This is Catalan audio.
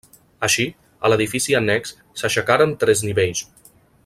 Així, a l'edifici annex s'aixecaren tres nivells.